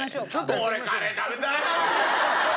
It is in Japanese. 俺カレー食べたい！